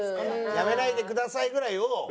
「やめないでください」ぐらいを。